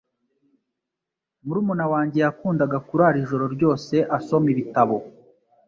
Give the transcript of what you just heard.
Murumuna wanjye yakundaga kurara ijoro ryose asoma ibitabo.